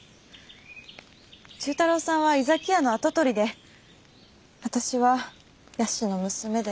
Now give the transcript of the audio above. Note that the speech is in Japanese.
忠太郎さんは井崎屋の跡取りで私は香具師の娘で。